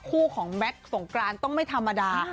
คู่ของแม็กซ์สงกรานต้องไม่ธรรมดา